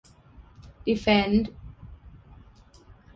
ดีเฟนส์